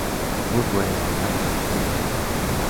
But we are not evil.